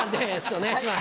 お願いします。